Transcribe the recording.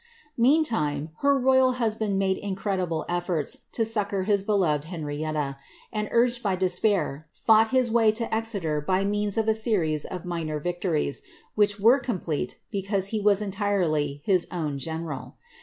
Meantime, her royal husband made incre(hble eflbrts to aoeconr his beloved Henrietta ; and, urged by despair, fought his way to Exeter by means of a series of minor victories, which were complete, because he was entirely his own general.